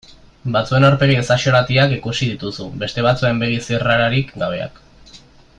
Batzuen aurpegi ezaxolatiak ikusi dituzu, beste batzuen begi zirrararik gabeak.